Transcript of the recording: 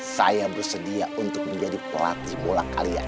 saya bersedia untuk menjadi pelatih bola kalian